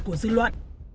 của dư luận